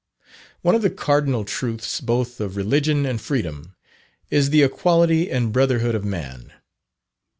One of the cardinal truths, both of religion and freedom, is the equality and brotherhood of man.